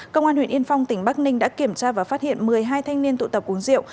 công an huyện yên phong tỉnh bắc ninh đã kiểm tra và phát hiện một mươi hai thanh niên tụ tập uống rượu